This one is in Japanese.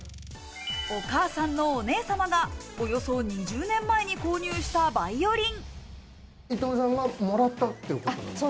お母さんのお姉さまがおよそ２０年前に購入したバイオリン。